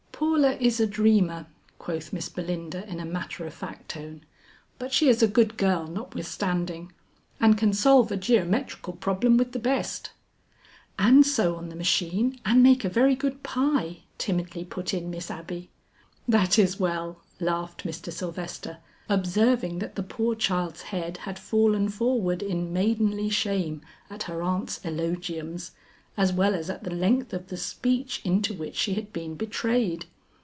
"Paula is a dreamer," quoth Miss Belinda in a matter of fact tone, "but she is a good girl notwithstanding and can solve a geometrical problem with the best." "And sew on the machine and make a very good pie," timidly put in Miss Abby. "That is well," laughed Mr. Sylvester, observing that the poor child's head had fallen forward in maidenly shame at her aunts' elogiums as well as at the length of the speech into which she had been betrayed.